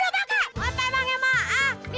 ngapain lu pakai